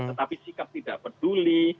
tetapi sikap tidak peduli